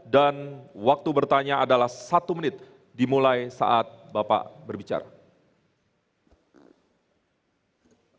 dan waktu bertanya adalah satu menit dimulai saat bapak berbicara